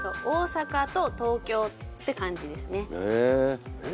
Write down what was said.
大阪と東京？